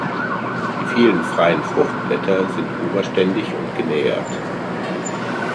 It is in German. Die vielen freien Fruchtblätter sind oberständig und genähert.